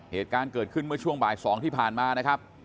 เหตุการณ์เกิดขึ้นเมื่อช่วงบ่าย๒ที่ผ่านมานะครับ